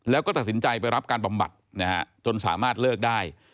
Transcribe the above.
แล้วก็ตัดสินใจไปรับการบำบัดนะฮะจนสามารถเลิกได้